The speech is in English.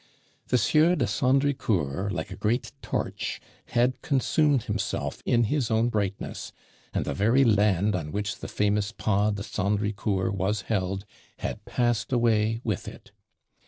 The Sieur de Sandricourt, like a great torch, had consumed himself in his own brightness; and the very land on which the famous Pas de Sandricourt was held had passed away with it!